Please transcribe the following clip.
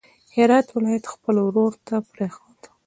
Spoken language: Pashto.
هرات ولایت خپل ورور ته پرېښود.